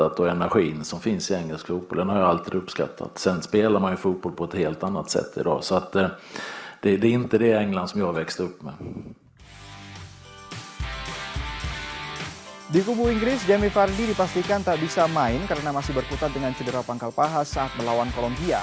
di kubu inggris jamie vardy dipastikan tak bisa main karena masih berkutat dengan cedera pangkal paha saat melawan kolombia